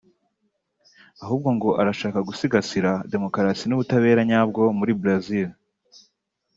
ahubwo ngo arashaka gusigasira demokarasi n’ubutabera nyabwo muri Brazil